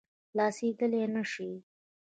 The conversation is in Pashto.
خلاصېدلای نه شي.